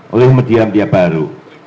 oleh media media baru